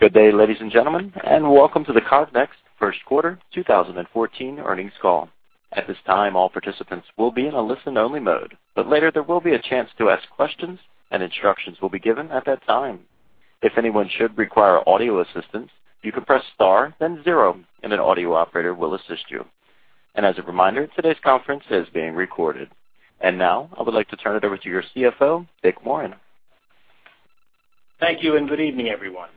Good day, ladies and gentlemen, and welcome to the Cognex first quarter 2014 earnings call. At this time, all participants will be in a listen-only mode, but later there will be a chance to ask questions, and instructions will be given at that time. If anyone should require audio assistance, you can press star, then zero, and an audio operator will assist you. And as a reminder, today's conference is being recorded. And now, I would like to turn it over to your CFO, Dick Morin. Thank you, and good evening, everyone.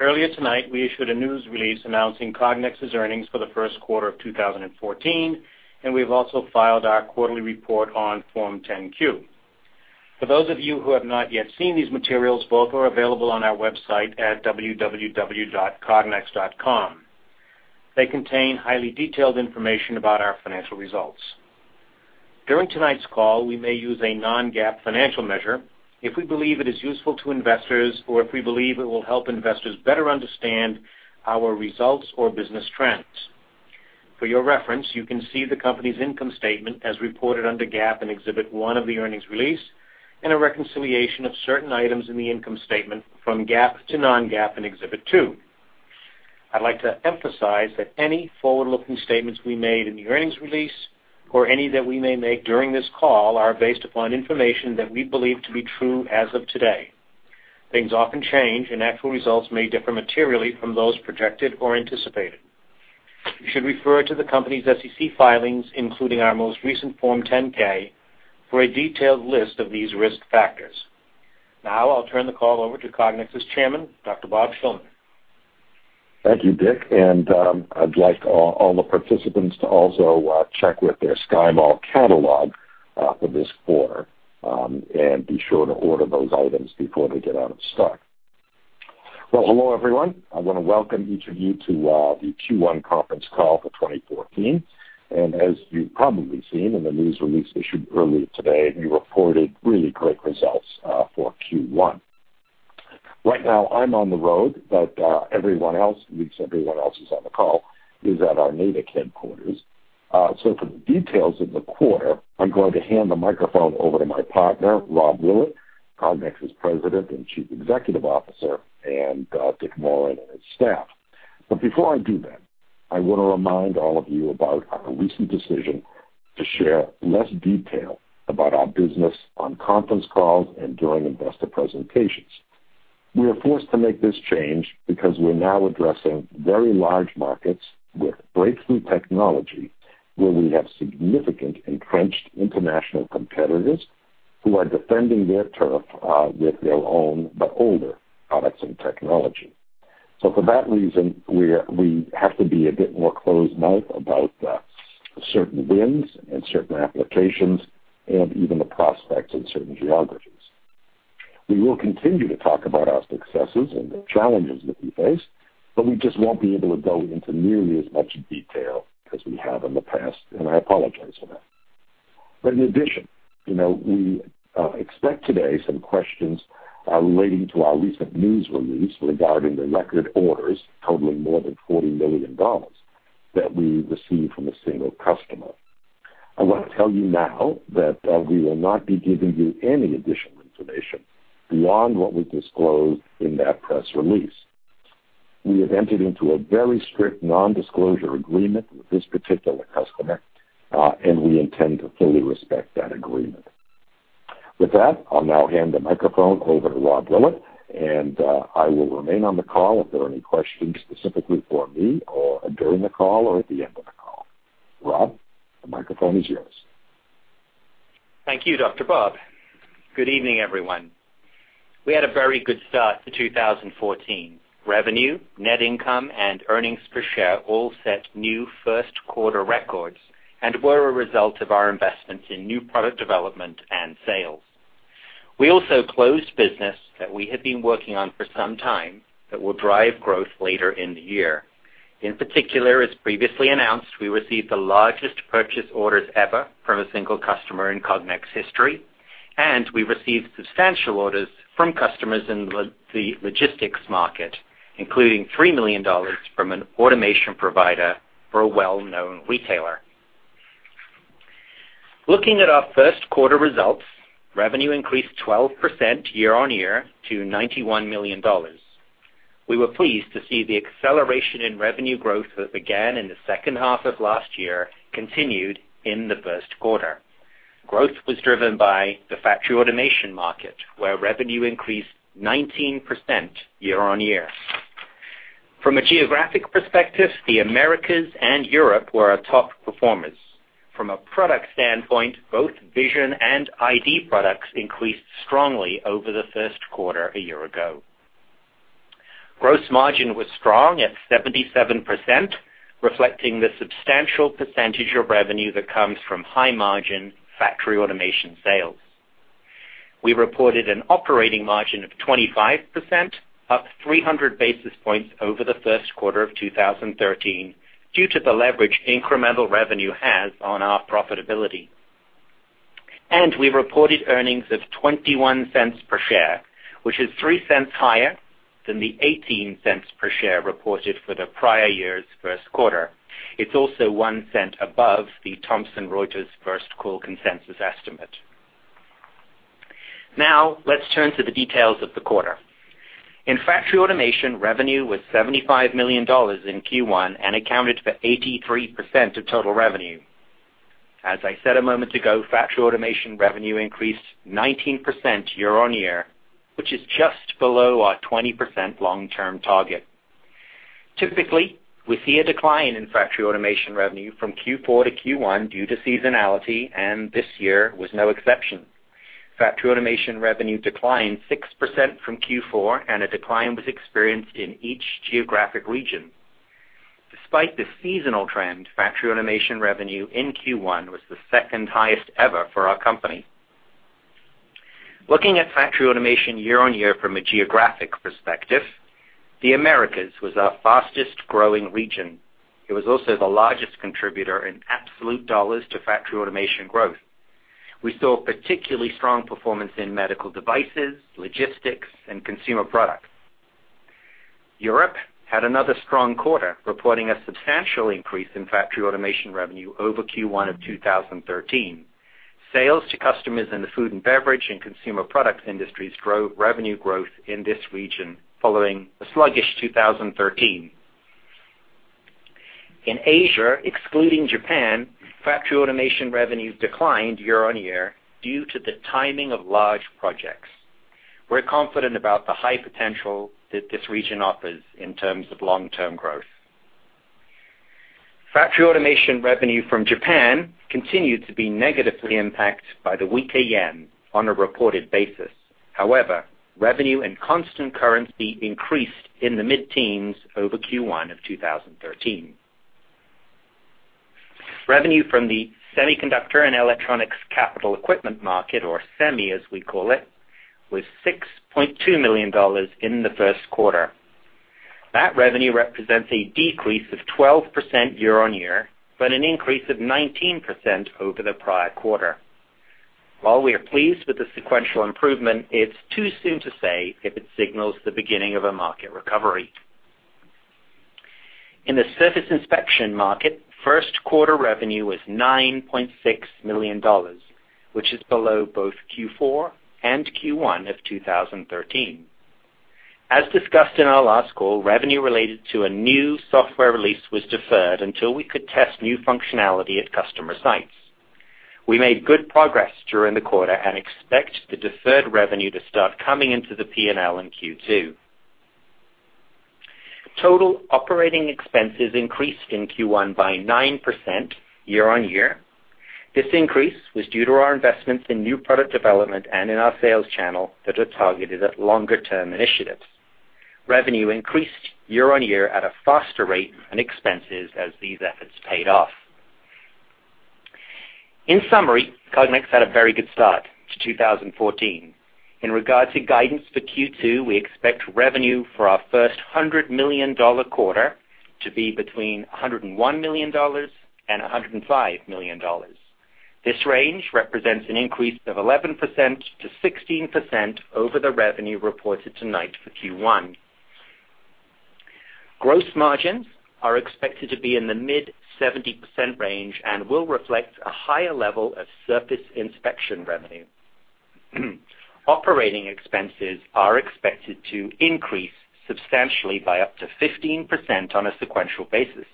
Earlier tonight, we issued a news release announcing Cognex's earnings for the first quarter of 2014, and we've also filed our quarterly report on Form 10-Q. For those of you who have not yet seen these materials, both are available on our website at www.cognex.com. They contain highly detailed information about our financial results. During tonight's call, we may use a non-GAAP financial measure if we believe it is useful to investors or if we believe it will help investors better understand our results or business trends. For your reference, you can see the company's income statement as reported under GAAP in Exhibit 1 of the earnings release and a reconciliation of certain items in the income statement from GAAP to non-GAAP in Exhibit 2. I'd like to emphasize that any forward-looking statements we made in the earnings release or any that we may make during this call are based upon information that we believe to be true as of today. Things often change, and actual results may differ materially from those projected or anticipated. You should refer to the company's SEC filings, including our most recent Form 10-K, for a detailed list of these risk factors. Now, I'll turn the call over to Cognex's Chairman, Dr. Bob Shillman. Thank you, Dick. And I'd like all the participants to also check with their SkyMall catalog for this quarter and be sure to order those items before they get out of stock. Well, hello, everyone. I want to welcome each of you to the Q1 conference call for 2014. And as you've probably seen in the news release issued earlier today, we reported really great results for Q1. Right now, I'm on the road, but everyone else, at least everyone else who's on the call, is at our Natick headquarters. So for the details of the quarter, I'm going to hand the microphone over to my partner, Rob Willett, Cognex's President and Chief Executive Officer, and Dick Morin and his staff. Before I do that, I want to remind all of you about our recent decision to share less detail about our business on conference calls and during investor presentations. We are forced to make this change because we're now addressing very large markets with breakthrough technology where we have significant entrenched international competitors who are defending their turf with their own but older products and technology. For that reason, we have to be a bit more close-knit about certain wins and certain applications and even the prospects in certain geographies. We will continue to talk about our successes and the challenges that we face, but we just won't be able to go into nearly as much detail as we have in the past, and I apologize for that. But in addition, we expect today some questions relating to our recent news release regarding the record orders totaling more than $40 million that we received from a single customer. I want to tell you now that we will not be giving you any additional information beyond what was disclosed in that press release. We have entered into a very strict non-disclosure agreement with this particular customer, and we intend to fully respect that agreement. With that, I'll now hand the microphone over to Rob Willett, and I will remain on the call if there are any questions specifically for me or during the call or at the end of the call. Rob, the microphone is yours. Thank you, Dr. Bob. Good evening, everyone. We had a very good start to 2014. Revenue, net income, and earnings per share all set new first-quarter records and were a result of our investments in new product development and sales. We also closed business that we had been working on for some time that will drive growth later in the year. In particular, as previously announced, we received the largest purchase orders ever from a single customer in Cognex history, and we received substantial orders from customers in the logistics market, including $3 million from an automation provider for a well-known retailer. Looking at our first-quarter results, revenue increased 12% year-on-year to $91 million. We were pleased to see the acceleration in revenue growth that began in the second half of last year continued in the first quarter. Growth was driven by the factory automation market, where revenue increased 19% year-on-year. From a geographic perspective, the Americas and Europe were our top performers. From a product standpoint, both vision and ID products increased strongly over the first quarter a year ago. Gross margin was strong at 77%, reflecting the substantial percentage of revenue that comes from high-margin factory automation sales. We reported an operating margin of 25%, up 300 basis points over the first quarter of 2013 due to the leverage incremental revenue has on our profitability. We reported earnings of $0.21 per share, which is $0.03 higher than the $0.18 per share reported for the prior year's first quarter. It's also $0.01 above the Thomson Reuters First Call consensus estimate. Now, let's turn to the details of the quarter. In factory automation, revenue was $75 million in Q1 and accounted for 83% of total revenue. As I said a moment ago, factory automation revenue increased 19% year-on-year, which is just below our 20% long-term target. Typically, we see a decline in factory automation revenue from Q4-Q1 due to seasonality, and this year was no exception. Factory automation revenue declined 6% from Q4, and a decline was experienced in each geographic region. Despite the seasonal trend, factory automation revenue in Q1 was the second highest ever for our company. Looking at factory automation year-on-year from a geographic perspective, the Americas was our fastest-growing region. It was also the largest contributor in absolute dollars to factory automation growth. We saw particularly strong performance in medical devices, logistics, and consumer products. Europe had another strong quarter, reporting a substantial increase in factory automation revenue over Q1 of 2013. Sales to customers in the food and beverage and consumer products industries drove revenue growth in this region following a sluggish 2013. In Asia, excluding Japan, factory automation revenues declined year-on-year due to the timing of large projects. We're confident about the high potential that this region offers in terms of long-term growth. Factory automation revenue from Japan continued to be negatively impacted by the weak yen on a reported basis. However, revenue in constant currency increased in the mid-teens over Q1 of 2013. Revenue from the semiconductor and electronics capital equipment market, or SEMI as we call it, was $6.2 million in the first quarter. That revenue represents a decrease of 12% year-on-year, but an increase of 19% over the prior quarter. While we are pleased with the sequential improvement, it's too soon to say if it signals the beginning of a market recovery. In the surface inspection market, first-quarter revenue was $9.6 million, which is below both Q4 and Q1 of 2013. As discussed in our last call, revenue related to a new software release was deferred until we could test new functionality at customer sites. We made good progress during the quarter and expect the deferred revenue to start coming into the P&L in Q2. Total operating expenses increased in Q1 by 9% year-on-year. This increase was due to our investments in new product development and in our sales channel that are targeted at longer-term initiatives. Revenue increased year-on-year at a faster rate, and expenses as these efforts paid off. In summary, Cognex had a very good start to 2014. In regards to guidance for Q2, we expect revenue for our first $100 million quarter to be between $101 million and $105 million. This range represents an increase of 11%-16% over the revenue reported tonight for Q1. Gross margins are expected to be in the mid-70% range and will reflect a higher level of surface inspection revenue. Operating expenses are expected to increase substantially by up to 15% on a sequential basis.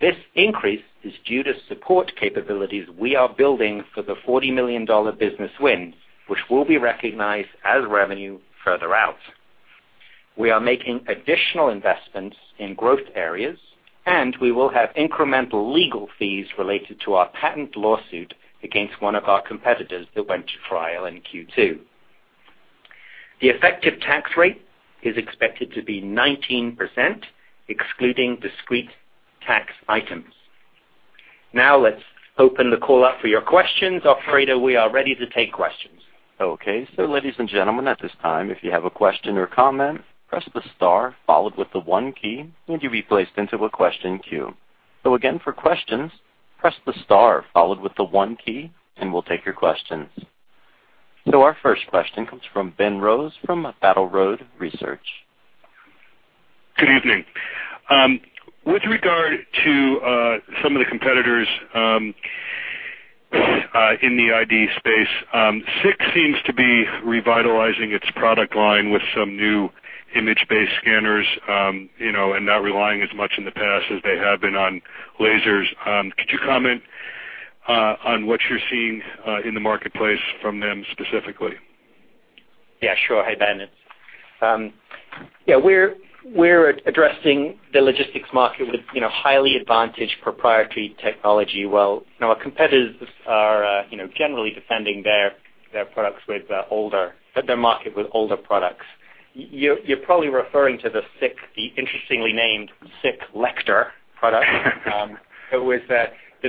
This increase is due to support capabilities we are building for the $40 million business win, which will be recognized as revenue further out. We are making additional investments in growth areas, and we will have incremental legal fees related to our patent lawsuit against one of our competitors that went to trial in Q2. The effective tax rate is expected to be 19%, excluding discrete tax items. Now, let's open the call up for your questions. Operator, we are ready to take questions. Okay. So, ladies and gentlemen, at this time, if you have a question or comment, press the star followed with the one key, and you'll be placed into a question queue. So again, for questions, press the star followed with the one key, and we'll take your questions. So our first question comes from Ben Rose from Battle Road Research. Good evening. With regard to some of the competitors in the ID space, SICK seems to be revitalizing its product line with some new image-based scanners and not relying as much in the past as they have been on lasers. Could you comment on what you're seeing in the marketplace from them specifically? Yeah, sure. Hey, Ben. Yeah, we're addressing the logistics market with highly advantaged proprietary technology. Well, our competitors are generally defending their products with their market with older products. You're probably referring to the interestingly named SICK Lector product, which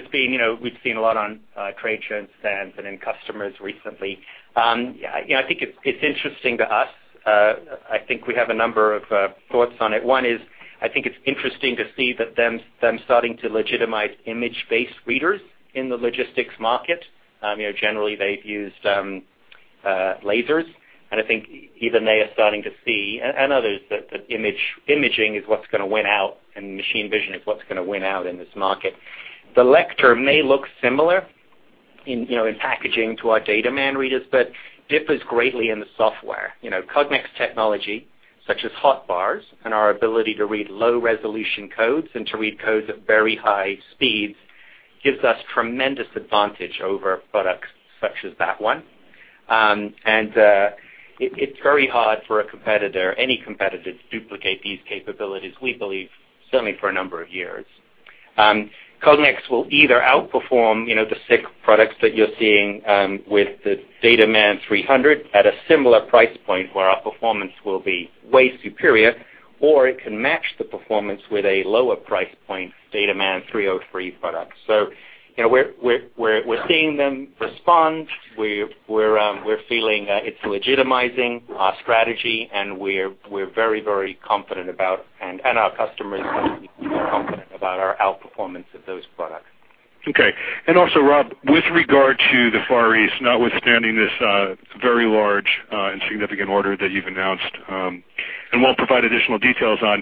we've seen a lot on trade shows, stands, and in customers recently. I think it's interesting to us. I think we have a number of thoughts on it. One is I think it's interesting to see that they're starting to legitimize image-based readers in the logistics market. Generally, they've used lasers, and I think even they are starting to see and others that imaging is what's going to win out, and machine vision is what's going to win out in this market. The Lector may look similar in packaging to our DataMan readers, but differs greatly in the software. Cognex technology, such as Hotbars and our ability to read low-resolution codes and to read codes at very high speeds, gives us tremendous advantage over products such as that one. And it's very hard for any competitor to duplicate these capabilities, we believe, certainly for a number of years. Cognex will either outperform the SICK products that you're seeing with the DataMan 300 at a similar price point where our performance will be way superior, or it can match the performance with a lower price point DataMan 303 product. So we're seeing them respond. We're feeling it's legitimizing our strategy, and we're very, very confident about, and our customers are confident about our outperformance of those products. Okay. And also, Rob, with regard to the Far East, notwithstanding this very large and significant order that you've announced and won't provide additional details on,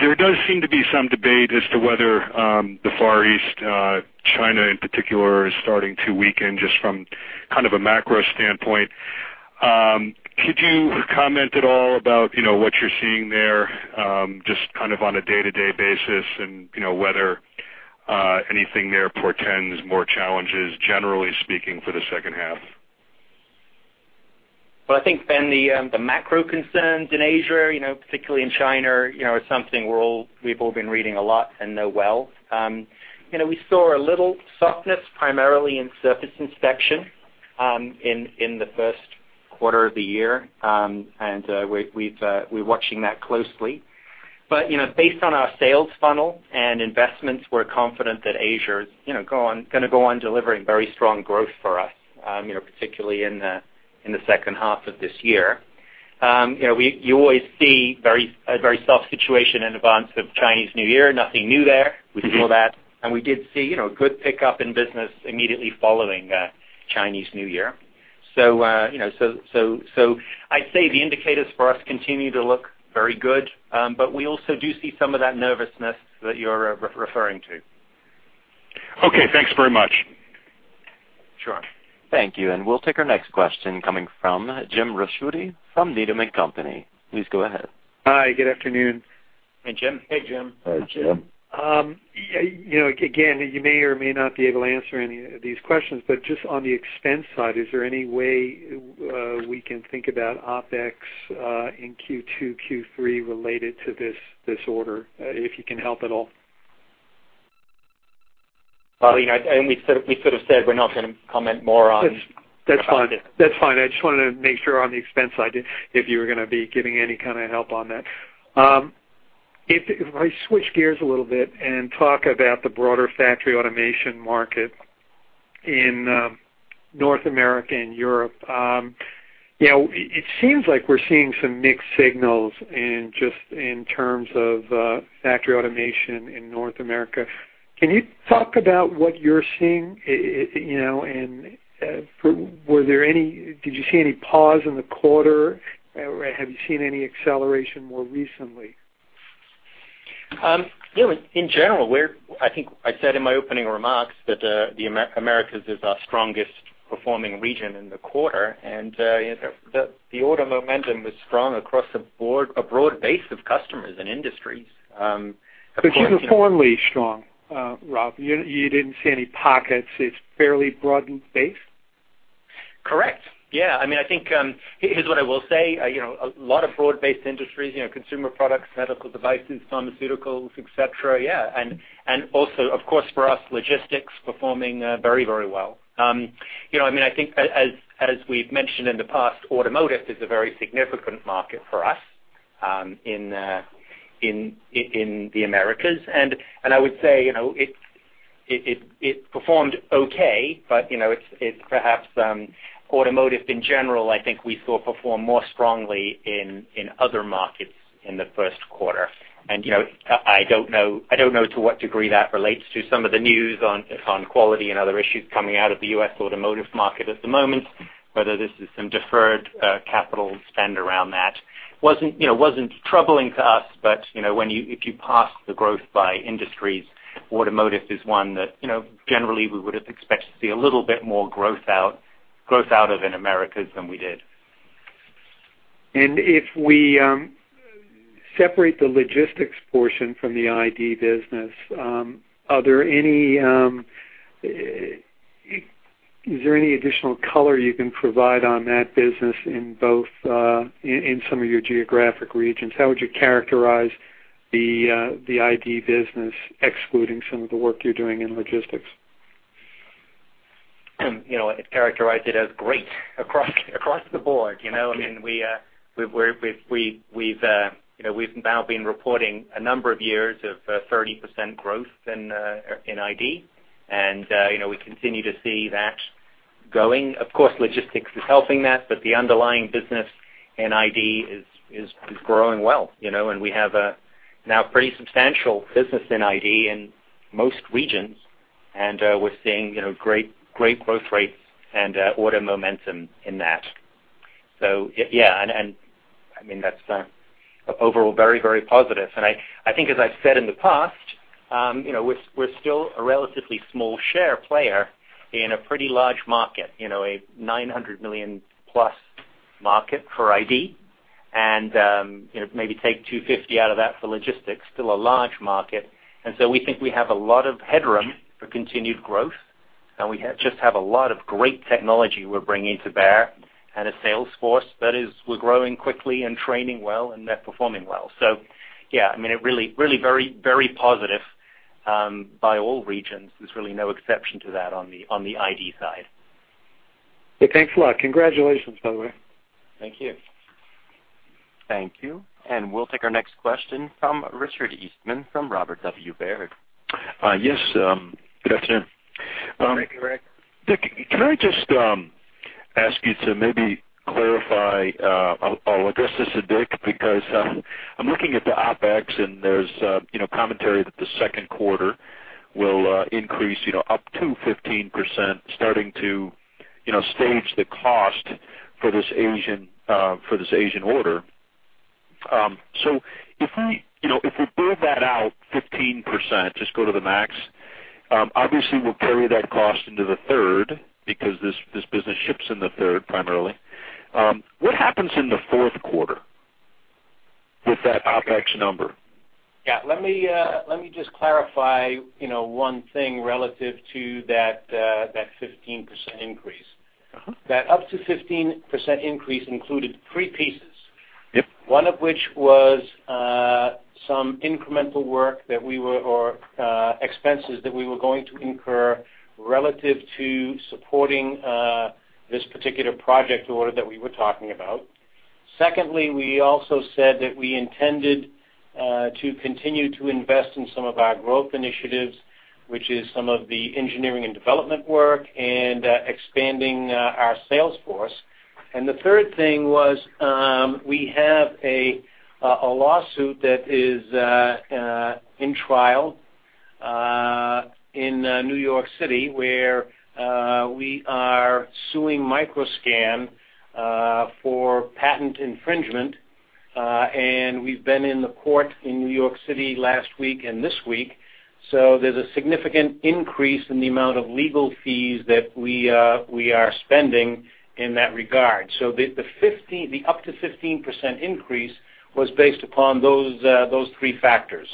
there does seem to be some debate as to whether the Far East, China in particular, is starting to weaken just from kind of a macro standpoint. Could you comment at all about what you're seeing there, just kind of on a day-to-day basis, and whether anything there portends more challenges, generally speaking, for the second half? Well, I think, Ben, the macro concerns in Asia, particularly in China, are something we've all been reading a lot and know well. We saw a little softness primarily in surface inspection in the first quarter of the year, and we're watching that closely. But based on our sales funnel and investments, we're confident that Asia is going to go on delivering very strong growth for us, particularly in the second half of this year. You always see a very soft situation in advance of Chinese New Year. Nothing new there. We saw that, and we did see a good pickup in business immediately following Chinese New Year. So I'd say the indicators for us continue to look very good, but we also do see some of that nervousness that you're referring to. Okay. Thanks very much. Sure. Thank you. We'll take our next question coming from Jim Ricchiuti from Needham & Company. Please go ahead. Hi. Good afternoon. Hey, Jim. Hey, Jim. Hey, Jim. Again, you may or may not be able to answer any of these questions, but just on the expense side, is there any way we can think about OpEx in Q2, Q3 related to this order, if you can help at all? Well, I mean, we sort of said we're not going to comment more on. That's fine. That's fine. I just wanted to make sure on the expense side if you were going to be giving any kind of help on that. If I switch gears a little bit and talk about the broader factory automation market in North America and Europe, it seems like we're seeing some mixed signals just in terms of factory automation in North America. Can you talk about what you're seeing, and were there any, did you see any pause in the quarter, or have you seen any acceleration more recently? Yeah. In general, I think I said in my opening remarks that the Americas is our strongest performing region in the quarter, and the order momentum was strong across a broad base of customers and industries. It was fairly strong, Rob. You didn't see any pockets. It's fairly broad-based? Correct. Yeah. I mean, I think, here's what I will say. A lot of broad-based industries, consumer products, medical devices, pharmaceuticals, etc. Yeah. And also, of course, for us, logistics performing very, very well. I mean, I think, as we've mentioned in the past, automotive is a very significant market for us in the Americas. And I would say it performed okay, but it's perhaps automotive in general. I think we saw perform more strongly in other markets in the first quarter. And I don't know to what degree that relates to some of the news on quality and other issues coming out of the U.S. automotive market at the moment, whether this is some deferred capital spend around that. It wasn't troubling to us, but if you pass the growth by industries, automotive is one that generally we would have expected to see a little bit more growth out of in Americas than we did. If we separate the logistics portion from the ID business, is there any additional color you can provide on that business in some of your geographic regions? How would you characterize the ID business, excluding some of the work you're doing in logistics? I'd characterize it as great across the board. I mean, we've now been reporting a number of years of 30% growth in ID, and we continue to see that going. Of course, logistics is helping that, but the underlying business in ID is growing well, and we have now pretty substantial business in ID in most regions, and we're seeing great growth rates and order momentum in that. So yeah. And I mean, that's overall very, very positive. And I think, as I've said in the past, we're still a relatively small share player in a pretty large market, a $900 million-plus market for ID, and maybe take $250 million out of that for logistics. Still a large market. And so we think we have a lot of headroom for continued growth, and we just have a lot of great technology we're bringing to bear and a sales force that is growing quickly and training well, and they're performing well. So yeah. I mean, really very positive by all regions. There's really no exception to that on the ID side. Yeah. Thanks a lot. Congratulations, by the way. Thank you. Thank you. And we'll take our next question from Richard Eastman from Robert W. Baird. Yes. Good afternoon. Thank you, Rick. Dick, can I just ask you to maybe clarify? I'll address this to Dick because I'm looking at the OpEx, and there's commentary that the second quarter will increase up to 15%, starting to stage the cost for this Asian order. So if we build that out 15%, just go to the max, obviously, we'll carry that cost into the third because this business ships in the third primarily. What happens in the fourth quarter with that OpEx number? Yeah. Let me just clarify one thing relative to that 15% increase. That up to 15% increase included three pieces, one of which was some incremental work that we were or expenses that we were going to incur relative to supporting this particular project order that we were talking about. Secondly, we also said that we intended to continue to invest in some of our growth initiatives, which is some of the engineering and development work and expanding our sales force. And the third thing was we have a lawsuit that is in trial in New York City where we are suing Microscan for patent infringement, and we've been in the court in New York City last week and this week. So there's a significant increase in the amount of legal fees that we are spending in that regard. So the up to 15% increase was based upon those three factors.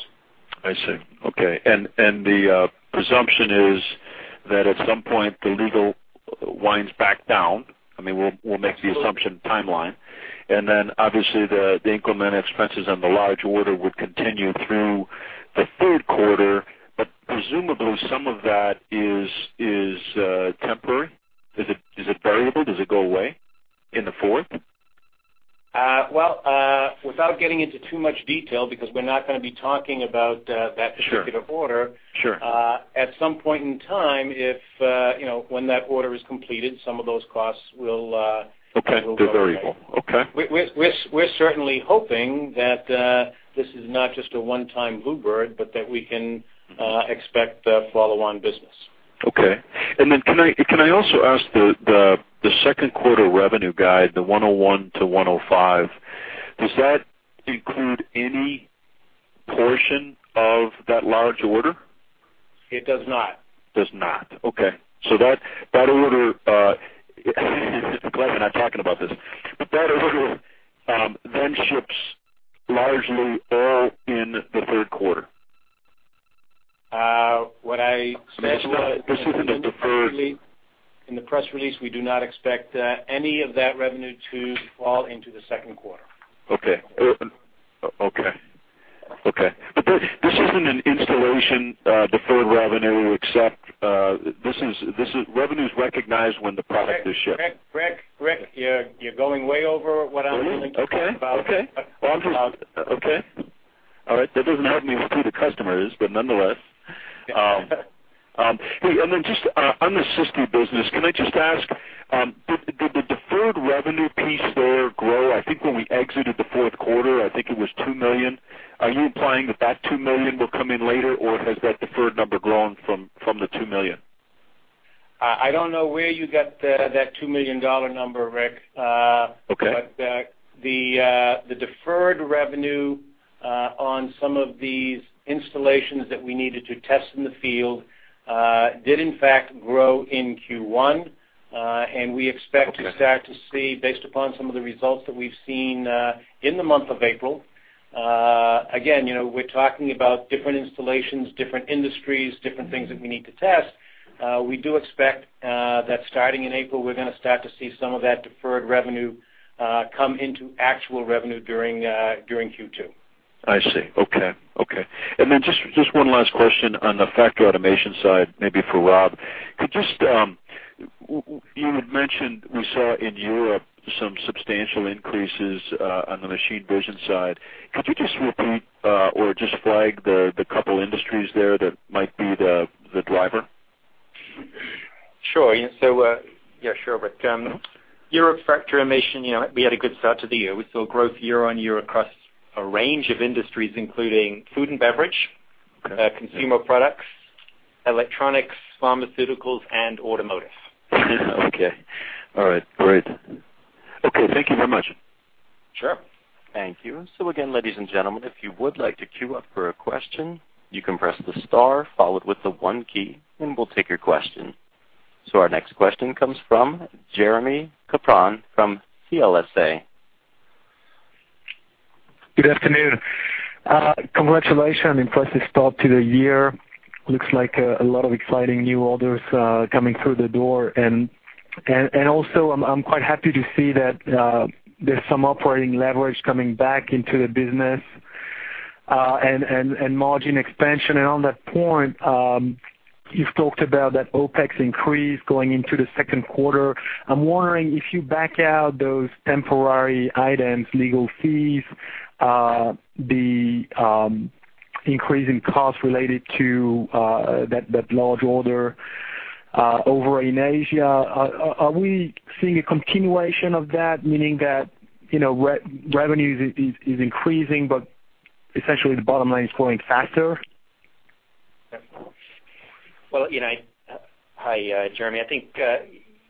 I see. Okay. And the presumption is that at some point, the legal winds back down. I mean, we'll make the assumption timeline. And then, obviously, the incremental expenses on the large order would continue through the third quarter, but presumably, some of that is temporary? Is it variable? Does it go away in the fourth? Well, without getting into too much detail because we're not going to be talking about that particular order, at some point in time, when that order is completed, some of those costs will go. Okay. They're variable. Okay. We're certainly hoping that this is not just a one-time bluebird, but that we can expect follow-on business. Okay. And then can I also ask the second quarter revenue guide, the $101-$105 million, does that include any portion of that large order? It does not. Does not. Okay. So that order, glad we're not talking about this, but that order then ships largely all in the third quarter. In the press release, we do not expect any of that revenue to fall into the second quarter. Okay. Okay. Okay. But this isn't an installation deferred revenue except this is revenues recognized when the product is shipped. Rick, Rick, Rick, you're going way over what I'm willing to talk about. Okay. Well, all right. That doesn't help me with who the customer is, but nonetheless. Hey, and then just on the SISD business, can I just ask, did the deferred revenue piece there grow? I think when we exited the fourth quarter, I think it was $2 million. Are you implying that that $2 million will come in later, or has that deferred number grown from the $2 million? I don't know where you got that $2 million number, Rick, but the deferred revenue on some of these installations that we needed to test in the field did, in fact, grow in Q1, and we expect to start to see, based upon some of the results that we've seen in the month of April. Again, we're talking about different installations, different industries, different things that we need to test. We do expect that starting in April, we're going to start to see some of that deferred revenue come into actual revenue during Q2. I see. Okay. Okay. And then just one last question on the factory automation side, maybe for Rob. You had mentioned we saw in Europe some substantial increases on the machine vision side. Could you just repeat or just flag the couple of industries there that might be the driver? Sure. Yeah. Sure. Rick, Europe factory automation, we had a good start to the year. We saw growth year-over-year across a range of industries, including food and beverage, consumer products, electronics, pharmaceuticals, and automotive. Okay. All right. Great. Okay. Thank you very much. Sure. Thank you. So again, ladies and gentlemen, if you would like to queue up for a question, you can press the star followed with the one key, and we'll take your question. So our next question comes from Jeremie Capron from CLSA. Good afternoon. Congratulations on the impressive start to the year. Looks like a lot of exciting new orders coming through the door. And also, I'm quite happy to see that there's some operating leverage coming back into the business and margin expansion. And on that point, you've talked about that OpEx increase going into the second quarter. I'm wondering if you back out those temporary items, legal fees, the increase in cost related to that large order over in Asia. Are we seeing a continuation of that, meaning that revenue is increasing, but essentially, the bottom line is growing faster? Well, hi, Jeremie. I think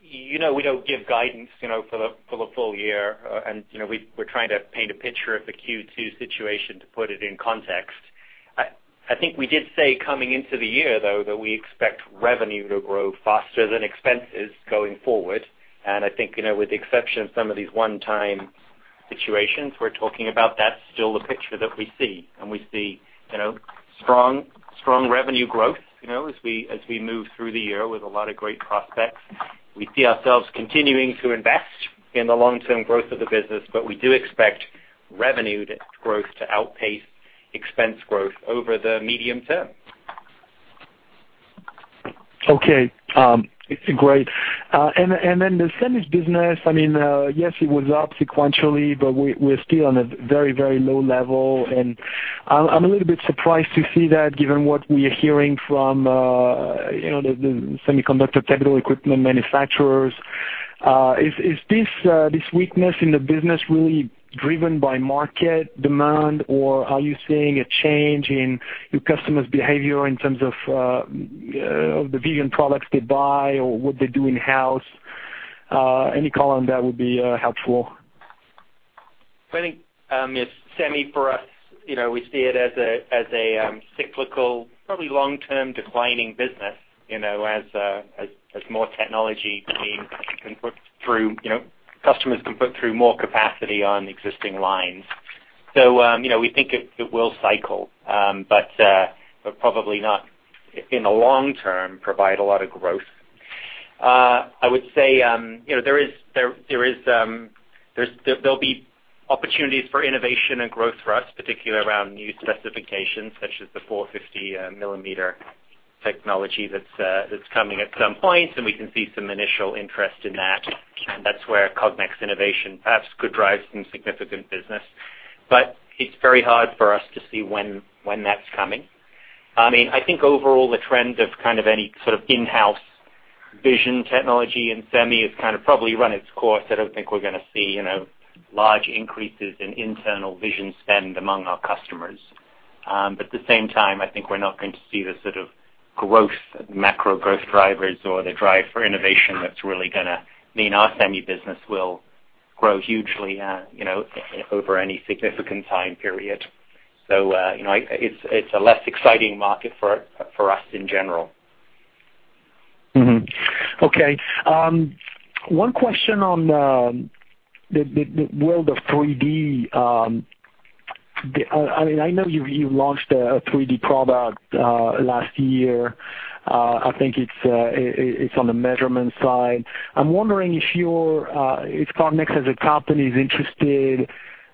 we don't give guidance for the full year, and we're trying to paint a picture of the Q2 situation to put it in context. I think we did say coming into the year, though, that we expect revenue to grow faster than expenses going forward. And I think with the exception of some of these one-time situations, we're talking about that's still the picture that we see. And we see strong revenue growth as we move through the year with a lot of great prospects. We see ourselves continuing to invest in the long-term growth of the business, but we do expect revenue growth to outpace expense growth over the medium term. Okay. Great. And then the semi business, I mean, yes, it was up sequentially, but we're still on a very, very low level. And I'm a little bit surprised to see that given what we are hearing from the semiconductor capital equipment manufacturers. Is this weakness in the business really driven by market demand, or are you seeing a change in your customers' behavior in terms of the vision products they buy or what they do in-house? Any comment on that would be helpful. I think SEMI for us, we see it as a cyclical, probably long-term declining business as more technology can put through customers can put through more capacity on existing lines. So we think it will cycle, but probably not in the long term provide a lot of growth. I would say there'll be opportunities for innovation and growth for us, particularly around new specifications such as the 450 millimeter technology that's coming at some point, and we can see some initial interest in that. And that's where Cognex innovation perhaps could drive some significant business. But it's very hard for us to see when that's coming. I mean, I think overall, the trend of kind of any sort of in-house vision technology and SEMI is kind of probably run its course. I don't think we're going to see large increases in internal vision spend among our customers. But at the same time, I think we're not going to see the sort of growth, macro growth drivers, or the drive for innovation that's really going to mean our semi business will grow hugely over any significant time period. So it's a less exciting market for us in general. Okay. One question on the world of 3D. I mean, I know you launched a 3D product last year. I think it's on the measurement side. I'm wondering if Cognex as a company is interested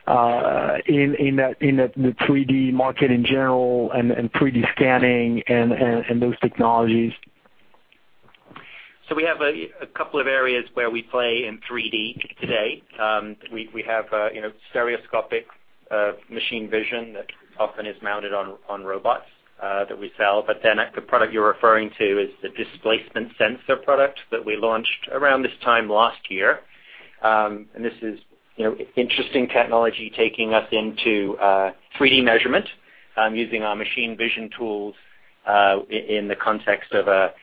in the 3D market in general and 3D scanning and those technologies. So we have a couple of areas where we play in 3D today. We have stereoscopic machine vision that often is mounted on robots that we sell. But then the product you're referring to is the displacement sensor product that we launched around this time last year. And this is interesting technology taking us into 3D measurement using our machine vision tools in the context of a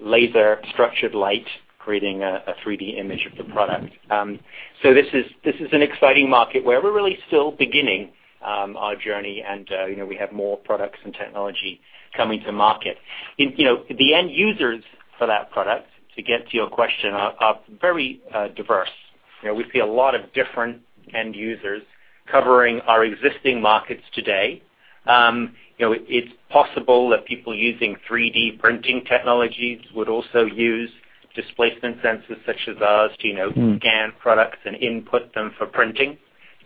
laser structured light creating a 3D image of the product. So this is an exciting market where we're really still beginning our journey, and we have more products and technology coming to market. The end users for that product, to get to your question, are very diverse. We see a lot of different end users covering our existing markets today. It's possible that people using 3D printing technologies would also use displacement sensors such as us to scan products and input them for printing.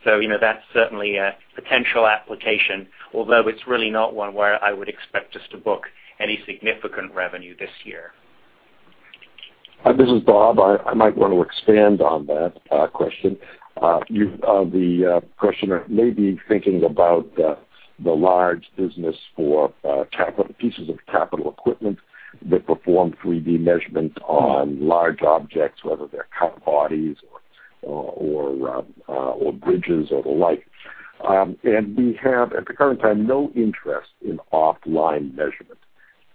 So that's certainly a potential application, although it's really not one where I would expect us to book any significant revenue this year. This is Bob. I might want to expand on that question. The questioner may be thinking about the large business for pieces of capital equipment that perform 3D measurements on large objects, whether they're car bodies or bridges or the like. We have, at the current time, no interest in offline measurement.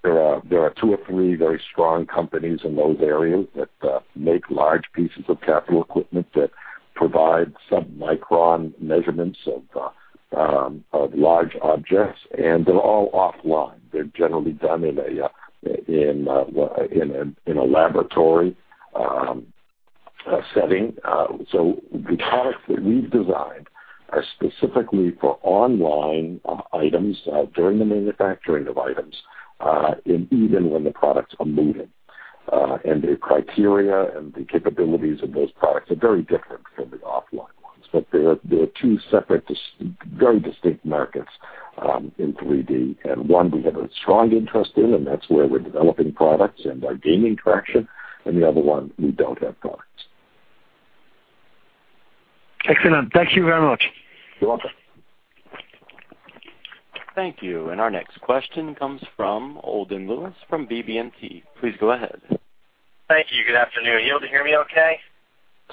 There are two or three very strong companies in those areas that make large pieces of capital equipment that provide sub-micron measurements of large objects, and they're all offline. They're generally done in a laboratory setting. The products that we've designed are specifically for online items during the manufacturing of items and even when the products are moving. The criteria and the capabilities of those products are very different from the offline ones. There are two separate, very distinct markets in 3D. One we have a strong interest in, and that's where we're developing products and our gaining traction. The other one, we don't have products. Excellent. Thank you very much. You're welcome. Thank you. And our next question comes from Holden Lewis from BB&T. Please go ahead. Thank you. Good afternoon. You're able to hear me okay?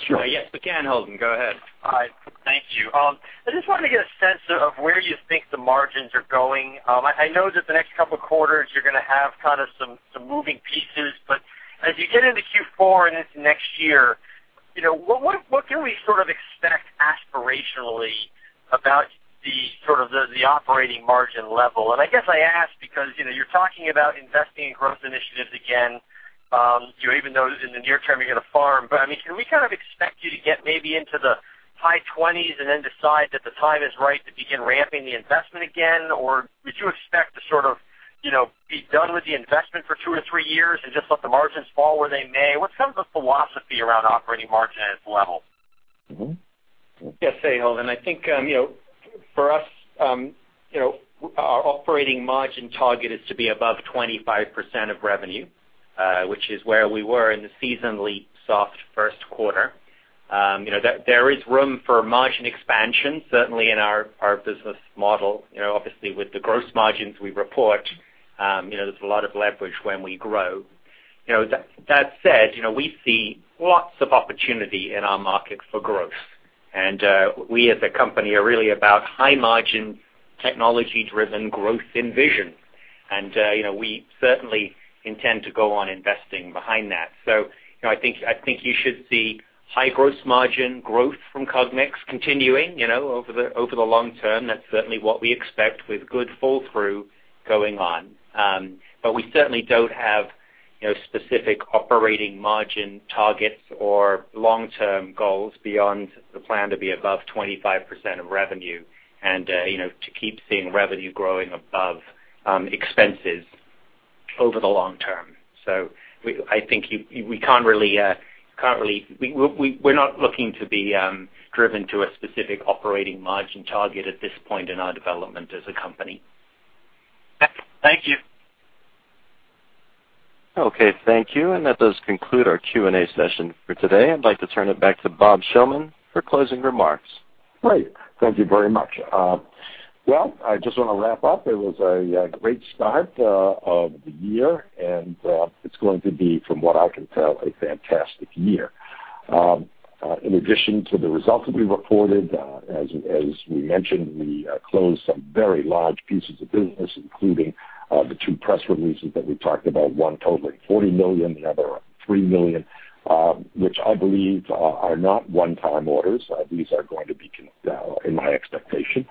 Yes, we can, Holden. Go ahead. All right. Thank you. I just wanted to get a sense of where you think the margins are going. I know that the next couple of quarters you're going to have kind of some moving parts, but as you get into Q4 and into next year, what can we sort of expect aspirationally about sort of the operating margin level? And I guess I ask because you're talking about investing in growth initiatives again, even though in the near term you're going to firm. But I mean, can we kind of expect you to get maybe into the high 20s and then decide that the time is right to begin ramping the investment again? Or would you expect to sort of be done with the investment for two or three years and just let the margins fall where they may? What's kind of the philosophy around operating margin at this level? Yes, say, Holden. I think for us, our operating margin target is to be above 25% of revenue, which is where we were in the seasonally soft first quarter. There is room for margin expansion, certainly in our business model. Obviously, with the gross margins we report, there's a lot of leverage when we grow. That said, we see lots of opportunity in our market for growth. And we, as a company, are really about high-margin technology-driven growth in vision. And we certainly intend to go on investing behind that. So I think you should see high gross margin growth from Cognex continuing over the long term. That's certainly what we expect with good fall-through going on. But we certainly don't have specific operating margin targets or long-term goals beyond the plan to be above 25% of revenue and to keep seeing revenue growing above expenses over the long term. So I think we can't really, we're not looking to be driven to a specific operating margin target at this point in our development as a company. Thank you. Okay. Thank you. That does conclude our Q&A session for today. I'd like to turn it back to Bob Shillman for closing remarks. Great. Thank you very much. Well, I just want to wrap up. It was a great start of the year, and it's going to be, from what I can tell, a fantastic year. In addition to the results that we reported, as we mentioned, we closed some very large pieces of business, including the two press releases that we talked about, one totaling $40 million, the other $3 million, which I believe are not one-time orders. These are going to be, in my expectation,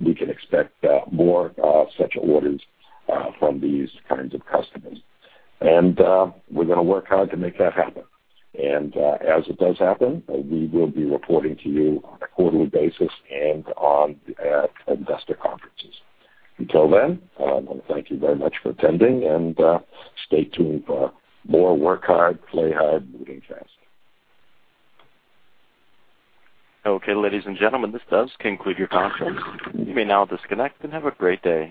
we can expect more such orders from these kinds of customers. And we're going to work hard to make that happen. And as it does happen, we will be reporting to you on a quarterly basis and on investor conferences. Until then, I want to thank you very much for attending, and stay tuned for more work hard, play hard, moving fast. Okay, ladies and gentlemen, this does conclude your conference. You may now disconnect and have a great day.